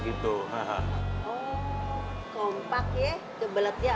kebelet ya sama anaknya